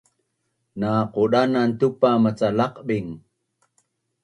na qudanan tupa maca laqbing